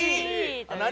何？